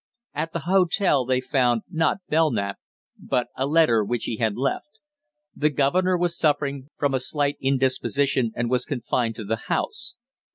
At the hotel they found, not Belknap, but a letter which he had left. The governor was suffering from a slight indisposition and was confined to the house.